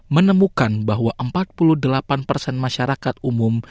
menemukan bahwa empat puluh delapan persen masyarakat umum